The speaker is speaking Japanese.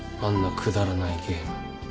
くだらないゲーム。